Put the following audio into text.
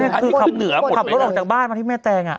ขับเขาออกจากบ้านที่แม่แตง